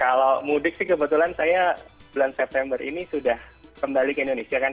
kalau mudik sih kebetulan saya bulan september ini sudah kembali ke indonesia kan